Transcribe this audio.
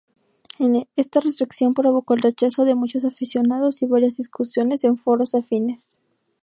Esta restricción provocó el rechazo de muchos aficionados y varias discusiones en foros afines.